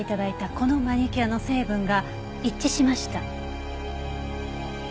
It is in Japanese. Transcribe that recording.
このマニキュアの成分が一致しました。